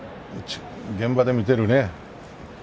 現場で見ているね。